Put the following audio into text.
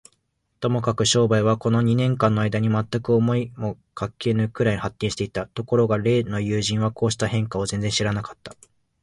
ともかく商売は、この二年間のあいだに、まったく思いもかけぬくらいに発展していた。ところが例の友人は、こうした変化を全然知らなかった。